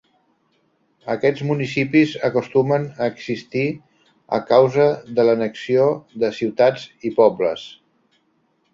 Aquests municipis acostumen a existir a causa de l'annexió de ciutats i pobles.